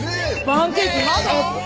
・パンケーキまだ？